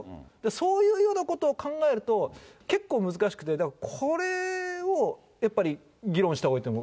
そういうようなことを考えると、結構難しくて、これをやっぱり議論したほうがいいと思う。